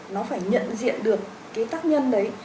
nó phải nhận diện được cái tác nhân đấy